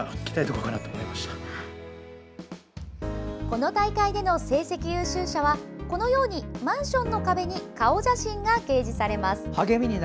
この大会での成績優秀者はこのようにマンションの壁に顔写真が掲示されます。